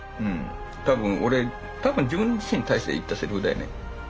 多分俺多分自分自身に対して言ったセリフだよね。